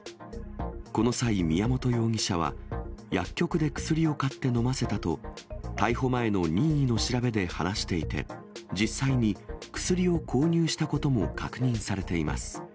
この際、宮本容疑者は、薬局で薬を買って飲ませたと、逮捕前の任意の調べで話していて、実際に薬を購入したことも確認されています。